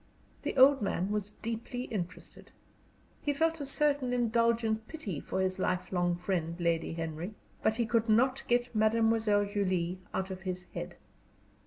The old man was deeply interested. He felt a certain indulgent pity for his lifelong friend Lady Henry; but he could not get Mademoiselle Julie out of his head.